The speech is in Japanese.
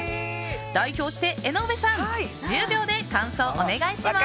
代表して、江上さん１０秒で感想をお願いします。